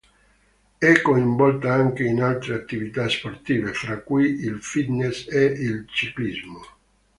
È coinvolta anche in altre attività sportive, fra cui il fitness ed il ciclismo.